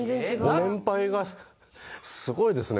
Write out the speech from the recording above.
ご年配がすごいですね